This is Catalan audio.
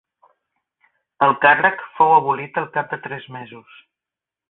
El càrrec fou abolit al cap de tres mesos.